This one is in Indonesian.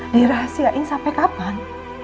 dirahasiain sampai kapan